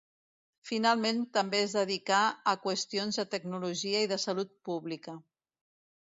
Finalment també es dedicà a qüestions de tecnologia i de salut pública.